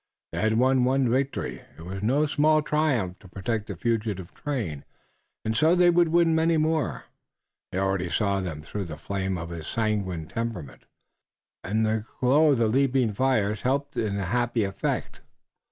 They had won one victory. It was no small triumph to protect the fugitive train, and so they would win many more. He already saw them through the flame of his sanguine temperament, and the glow of the leaping fires helped in the happy effect.